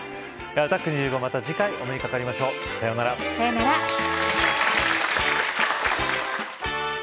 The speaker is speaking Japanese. アタック２５また次回お目にかかりまさよならさよならいや